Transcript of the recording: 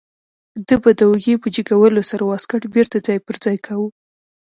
ده به د اوږې په جګولو سره واسکټ بیرته ځای پر ځای کاوه.